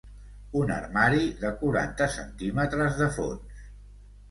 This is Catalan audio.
Un armari de quaranta centímetres de fons.